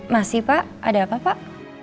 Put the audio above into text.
masih pak ada apa pak